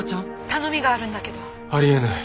頼みがあるんだけど。ありえない。